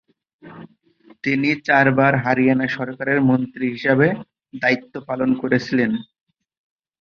তিনি চারবার হরিয়ানা সরকারের মন্ত্রী হিসেবে দায়িত্ব পালন করেছিলেন।